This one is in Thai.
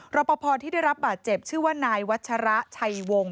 รอปภที่ได้รับบาดเจ็บชื่อว่านายวัชระชัยวงศ